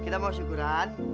kita mau syukuran